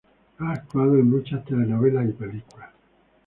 Ha actuado en muchas telenovelas y películas.